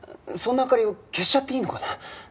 そんな明かりを消しちゃっていいのかな？